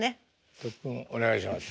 特訓お願いします。